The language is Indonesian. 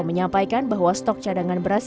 menyampaikan bahwa stok cadangan beras